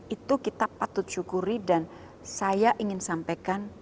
itu kita patut syukuri dan saya ingin sampaikan